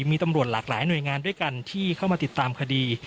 มีตำรวจหลากหลายหน่วยงานด้วยกันที่เข้ามาติดตามคดี